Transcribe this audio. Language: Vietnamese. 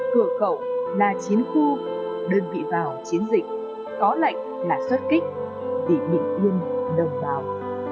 cửa cậu là chiến khu đơn vị vào chiến dịch có lệnh là xuất kích vì bị yên đông vào